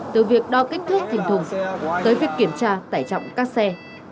từ việc đo kích thước thành thùng tới việc kiểm tra tải trọng các xe